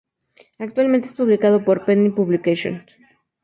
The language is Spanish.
Actualmente es publicado por Penny Publications.